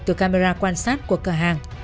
từ camera quan sát của cửa hàng